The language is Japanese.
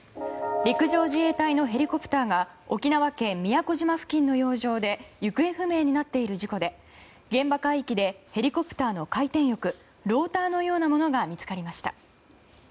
陸上自衛隊のヘリコプターが沖縄県宮古島付近の洋上で行方不明になっている事故で現場海域でヘリコプターの回転翼ローターのようなものが見つかりました。